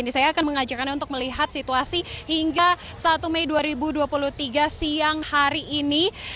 jadi saya akan mengajak anda untuk melihat situasi hingga satu mei dua ribu dua puluh tiga siang hari ini